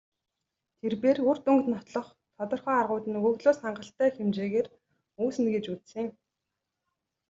Тэр бээр үр дүнг нотлох тодорхой аргууд нь өгөгдлөөс хангалттай хэмжээгээр үүснэ гэж үзсэн.